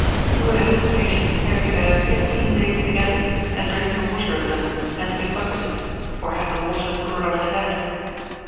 He would have his patient tarry there fifteen days together, and drink the water of them, and to be bucketed, or have the water poured on his head.